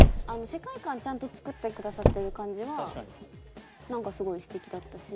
世界観ちゃんと作ってくださってる感じがなんかすごい素敵だったし。